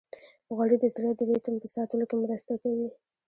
غوړې د زړه د ریتم په ساتلو کې مرسته کوي.